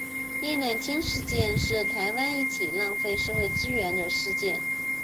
叶乃菁事件是台湾一起浪费社会资源的事件。